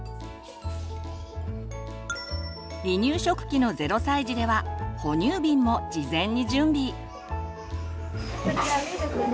離乳食期の０歳児では哺乳瓶も事前に準備。